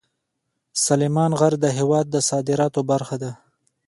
سلیمان غر د هېواد د صادراتو برخه ده.